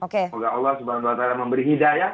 semoga allah swt memberi hidayah